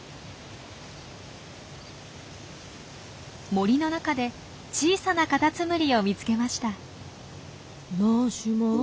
森の中で小さなカタツムリを見つけました。